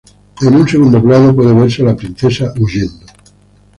En un segundo plano puede verse a la princesa huyendo.